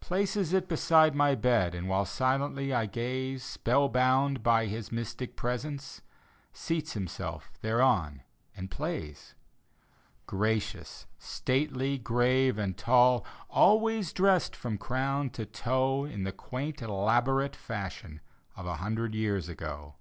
Places it beside my bed. And while silently I gaze Spell bound by his mystic presence, Seats himself thereon and plays. Gracious, stately, grave and tall. Always dressed from crown to toe In the quaint elaborate fashion Of a hundred years ago.